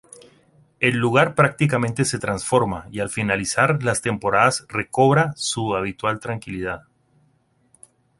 El lugar prácticamente se transforma, y al finalizar las temporadas recobra su habitual tranquilidad.